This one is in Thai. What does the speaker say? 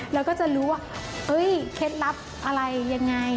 แล้วก็จะรู้ว่าเคล็ดลับอะไรยังไง